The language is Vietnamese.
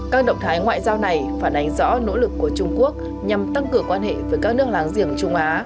các động thái ngoại giao này phản ánh rõ nỗ lực của trung quốc nhằm tăng cường quan hệ với các nước láng giềng trung á